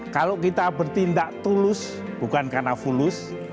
kalau kita bertindak tulus bukan karena fulus